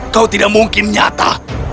kau tidak mungkin nyata